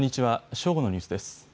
正午のニュースです。